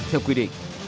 theo quy định